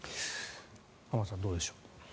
浜田さん、どうでしょう。